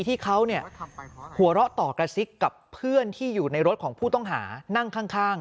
ที่เขาหัวเราะต่อกระซิกกับเพื่อนที่อยู่ในรถของผู้ต้องหานั่งข้าง